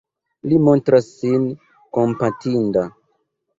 Li montras sin kompatinda.